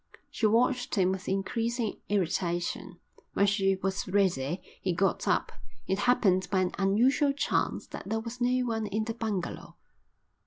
She watched him with increasing irritation: When she was ready he got up. It happened by an unusual chance that there was no one in the bungalow.